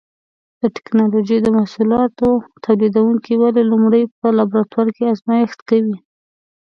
د ټېکنالوجۍ محصولاتو تولیدوونکي ولې لومړی په لابراتوار کې ازمېښت کوي؟